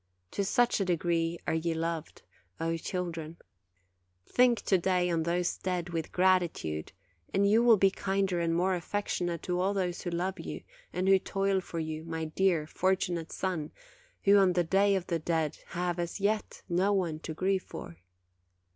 To such a degree are ye loved, O children ! Think to day on those dead with gratitude, and you will be kinder and more affectionate to all those who love you, and who toil for you, my dear, fortunate son, who, on the day of the dead, have, as yet, no one to grieve for.